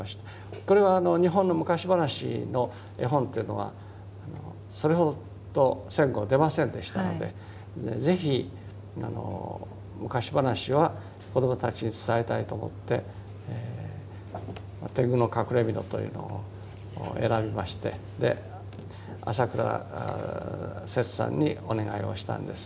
これは日本の昔話の絵本というのはそれほど戦後出ませんでしたので是非昔話は子どもたちに伝えたいと思って「てんぐのかくれみの」というのを選びまして朝倉摂さんにお願いをしたんです。